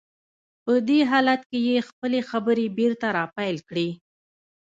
په دې حالت کې يې خپلې خبرې بېرته را پيل کړې.